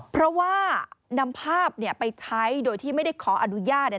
เพราะว่านำภาพไปใช้โดยที่ไม่ได้ขออนุญาต